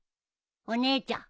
お姉ちゃん。